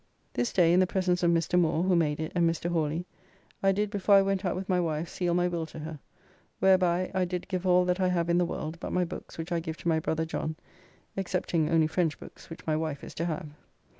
This day, in the presence of Mr. Moore (who made it) and Mr. Hawly, I did before I went out with my wife, seal my will to her, whereby I did give her all that I have in the world, but my books which I give to my brother John, excepting only French books, which my wife is to have.